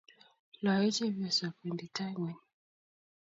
Loei chepyosok, wendi tai ngweny